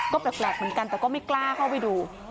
ก็แปลกเหมือนกันแต่ก็ไม่กล้าเข้าไปดู